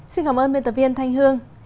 xin cảm ơn biên tập viên thanh hương